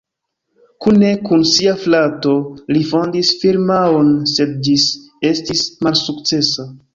Kune kun sia frato li fondis firmaon, sed ĝis estis malsukcesa.